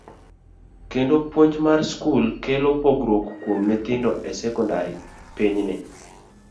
kendo puonj mar skul kelo pogruok kuom nyithindo e sekondar pinyni.